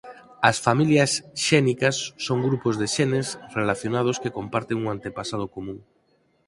As familias xénicas son grupos de xenes relacionados que comparten un antepasado común.